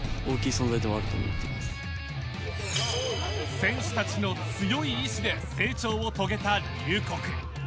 選手たちの強い意志で成長を遂げた龍谷。